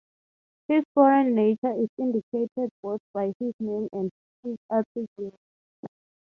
His foreign nature is indicated both by his name and his attributes.